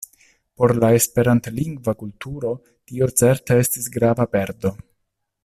Por la Esperantlingva kulturo tio certe estis grava perdo.